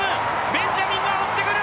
ベンジャミンが追ってくる。